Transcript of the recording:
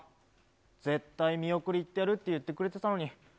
絶対見送り行ってやるって言ってくれてたのに。